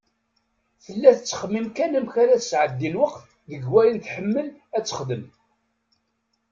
Tella tettxemmim kan amek ara tesɛeddi lweqt deg wayen tḥemmel ad texdem.